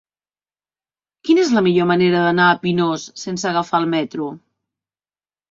Quina és la millor manera d'anar a Pinós sense agafar el metro?